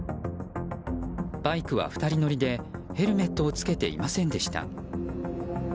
バイクは２人乗りでヘルメットを着けていませんでした。